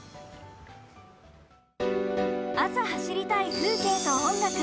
朝走りたい風景と音楽。